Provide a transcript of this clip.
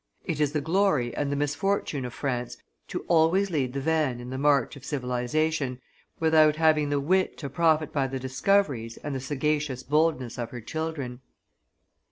It is the glory and the misfortune of France to always lead the van in the march of civilization, without having the wit to profit by the discoveries and the sagacious boldness of her children.